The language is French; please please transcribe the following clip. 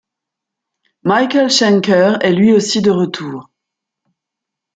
Michael Schenker est lui aussi de retour.